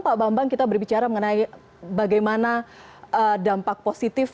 pak bambang kita berbicara mengenai bagaimana dampak positif